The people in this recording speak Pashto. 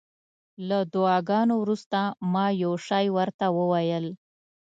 له دعاګانو وروسته ما یو شی ورته وویل.